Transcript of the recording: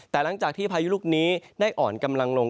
แต่หลังจากที่พายุลูกนี้ได้อ่อนกำลังลง